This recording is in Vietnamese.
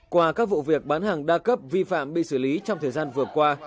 qua các vụ việc bán hàng đa cấp vi phạm bị xử lý trong thời gian vừa qua